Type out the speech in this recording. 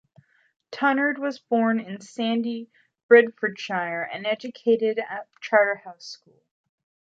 Tunnard was born in Sandy, Bedfordshire, and educated at Charterhouse School.